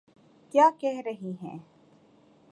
کیا کہہ رہی ہیں۔